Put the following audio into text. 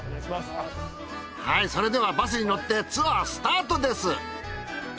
はいそれではバスに乗ってツアースタートです。